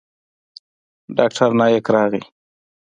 ډاکتر نايک راغى.